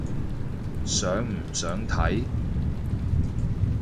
想唔想睇？